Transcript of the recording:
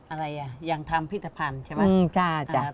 อะไรอ่ะยังทำพิธภัณฑ์ใช่ไหม